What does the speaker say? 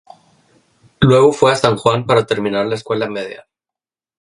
Luego fue a San Juan para terminar la escuela media.